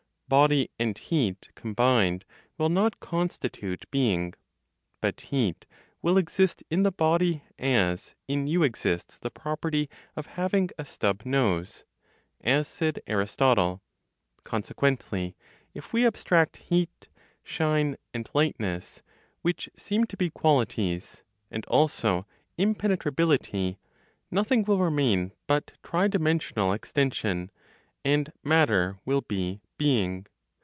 Body and heat combined will not constitute being; but heat will exist in the body as in you exists the property of having a stub nose (as said Aristotle). Consequently, if we abstract heat, shine and lightness, which seem to be qualities, and also impenetrability, nothing will remain but tridimensional extension, and matter will be "being."